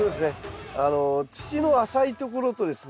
土の浅いところとですね